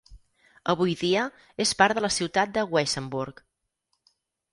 Avui dia és part de la ciutat de Weissenburg.